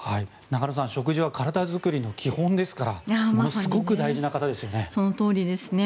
中野さん食事は体づくりの基本ですからすごく大事な方ですよね。